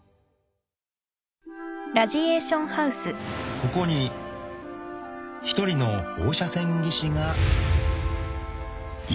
［ここに一人の放射線技師がいる］